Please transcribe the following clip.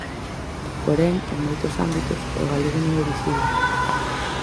Porén, en moitos ámbitos, o galego non é visíbel.